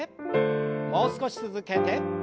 もう少し続けて。